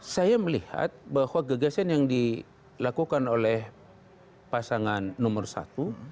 saya melihat bahwa gagasan yang dilakukan oleh pasangan nomor satu